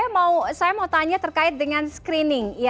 oke pak nur saya mau tanya terkait dengan screening